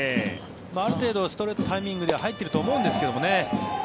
ある程度ストレートタイミングでは入っているとは思うんですけどね。